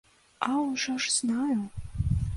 А ўжо ж знаю!